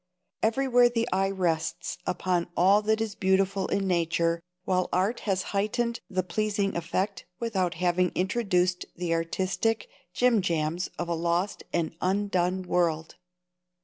Everywhere the eye rests upon all that is beautiful in nature, while art has heightened the pleasing effect without having introduced the artistic jim jams of a lost and undone world.